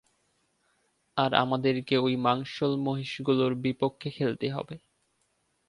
আর আমাদেরকে ওই মাংসল মহিষগুলোর বিপক্ষে খেলতে হবে।